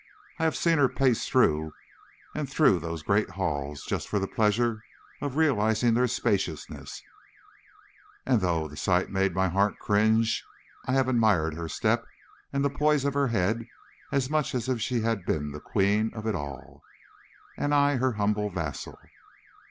I have seen her pace through and through those great halls just for the pleasure of realizing their spaciousness; and though the sight made my heart cringe, I have admired her step and the poise of her head as much as if she had been the queen of it all, and I her humblest vassal.